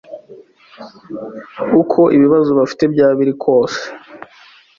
uko ibibazo bafite byaba biri kose